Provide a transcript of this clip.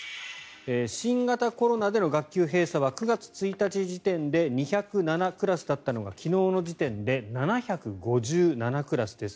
新型コロナでの学級閉鎖は９月１日時点で２０７クラスだったのが昨日の時点で７５７クラスです。